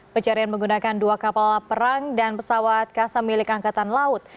pencarian menggunakan dua kapal perang dan pesawat kasam milik angkatan laut